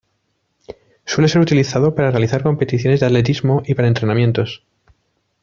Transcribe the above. Suele ser utilizado para realizar competiciones de atletismo y para entrenamientos.